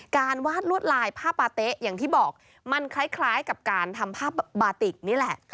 วาดลวดลายผ้าปาเต๊ะอย่างที่บอกมันคล้ายกับการทำผ้าบาติกนี่แหละ